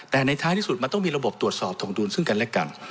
แต่ในท้ายที่สุดมันต้องมีระบบตรวจสอบถงดุลซึ่งกันและกัน